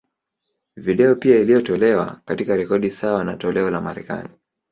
Video pia iliyotolewa, katika rekodi sawa na toleo la Marekani.